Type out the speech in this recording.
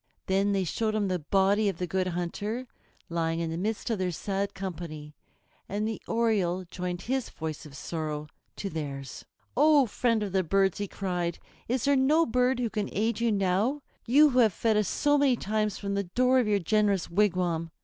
Then they showed him the body of the Good Hunter lying in the midst of their sad company, and the Oriole joined his voice of sorrow to theirs. "O friend of the birds," he cried, "is there no bird who can aid you now, you who have fed us so many times from the door of your generous wigwam?